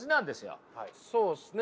そうですね。